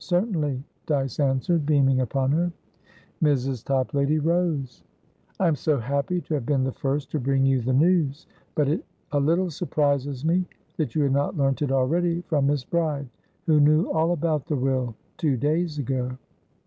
"Certainly," Dyce answered, beaming upon her. Mrs. Toplady rose. "I am so happy to have been the first to bring you the news. But it a little surprises me that you had not learnt it already from Miss Bride, who knew all about the will two days ago."